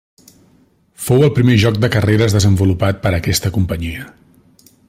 Fou el primer joc de carreres desenvolupat per aquesta companyia.